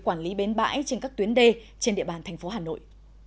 quản lý bến bãi trên các tuyến đê trên địa bàn thành phố hà nội